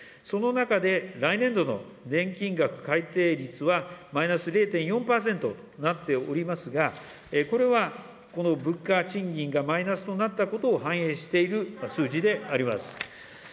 その中で、来年度の年金額改定率は、マイナス０．４％となっておりますが、これはこの物価、賃金がマイナスとなったことを反映している数字であります。